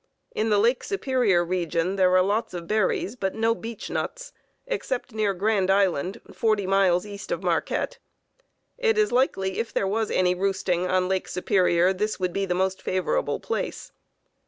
In the Lake Superior region there are lots of berries but no beech nuts, except near Grand Island, 40 miles east of Marquette. It is likely if there was any roosting on Lake Superior, this would be the most favorable place....